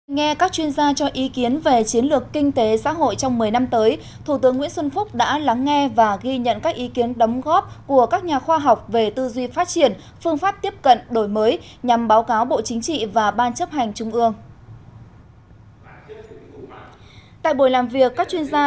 nghe các chuyên gia cho ý kiến về chiến lược kinh tế xã hội trong một mươi năm tới thủ tướng nguyễn xuân phúc đã lắng nghe và ghi nhận các ý kiến đóng góp của các nhà khoa học về tư duy phát triển phương pháp tiếp cận đổi mới nhằm báo cáo bộ chính trị và ban chấp hành trung ương